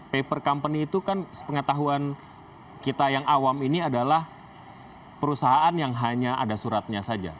paper company itu kan pengetahuan kita yang awam ini adalah perusahaan yang hanya ada suratnya saja